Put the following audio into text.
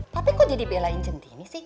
tapi kok jadi belain centini sih